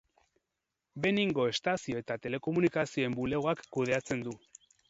Beningo Estazio eta Telekomunikazioen Bulegoak kudeatzen du.